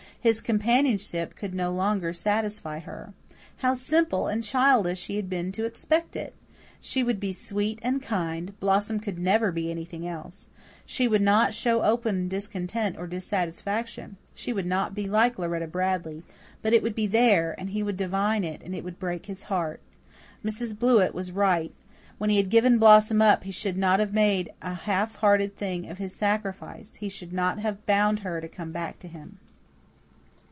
His companionship could no longer satisfy her. How simple and childish he had been to expect it! She would be sweet and kind Blossom could never be anything else. She would not show open discontent or dissatisfaction; she would not be like Lauretta Bradley; but it would be there, and he would divine it, and it would break his heart. Mrs. Blewett was right. When he had given Blossom up he should not have made a half hearted thing of his sacrifice he should not have bound her to come back to him.